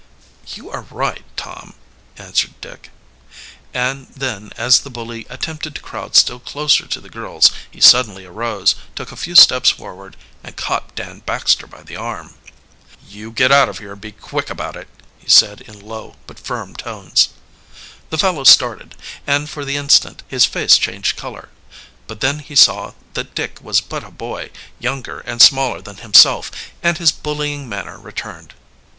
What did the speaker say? "You are right, Tom," answered Dick, and then as the bully attempted to crowd still closer to the girls he suddenly arose, took a few steps forward, and caught Dan Baxter by the arm. "You get out of here and be quick about it," he said in low but firm tones. The fellow started, and for the instant his face changed color. But then he saw that Dick was but a boy, younger and smaller than himself, and his bullying manner returned.